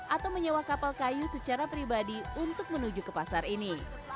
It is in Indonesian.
atau menyewa kapal kayu secara pribadi untuk menuju ke pasar ini